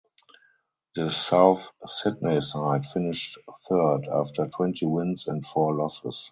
The South Sydney side finished third after twenty wins and four losses.